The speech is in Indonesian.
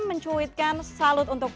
mencuitkan salut untuk